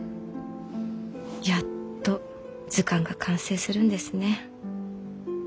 やっと図鑑が完成するんですね。